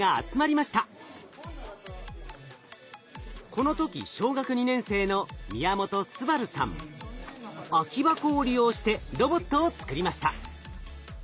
この時小学２年生の空き箱を利用してロボットを作りました。